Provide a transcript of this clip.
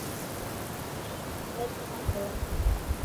Mba'épiko péva.